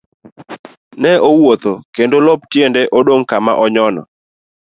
Ne owuotho kendo lop tiende dong' kama onyono.